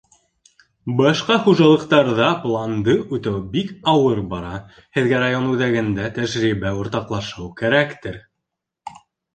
Башҡа хужалыҡтарҙа планды үтәү бик ауыр бара. һеҙгә район үҙәгендә тәжрибә уртаҡлашыу кәрәктер?